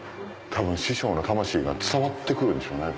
多分師匠の魂が伝わってくるんでしょうね